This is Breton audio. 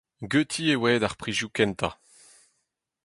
Ganti e oa aet ar prizioù kentañ.